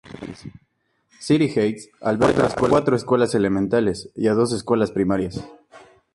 City Heights alberga a cuatro escuelas elementales y a dos escuelas primarias.